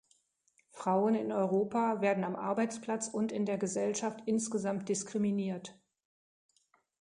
Frauen in Europa werden am Arbeitsplatz und in der Gesellschaft insgesamt diskriminiert.